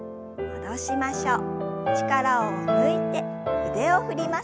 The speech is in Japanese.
戻しましょう。